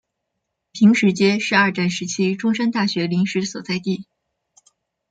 坪石街是二战时期中山大学临时所在地。